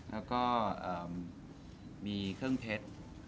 แล้วก็มีเครื่องเพชร